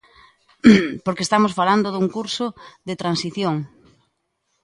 Porque estamos falando dun curso de transición.